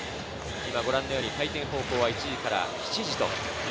回転方向は１時から７時。